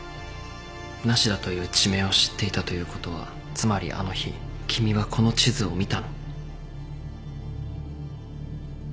無田という地名を知っていたということはつまりあの日君はこの地図を見たの？